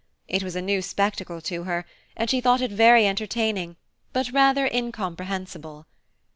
It was a new spectacle to her, and she thought it very entertaining, but rather incomprehensible.